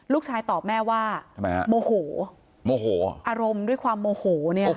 ลูกชายตอบแม่ว่าโมโหอารมณ์ด้วยความโมโห